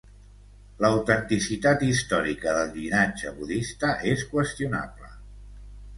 L'autenticitat històrica del llinatge budista és qüestionable.